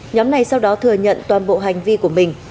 nhóm này sau đó thừa nhận toàn bộ hành vi của mình